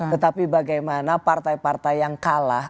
tetapi bagaimana partai partai yang kalah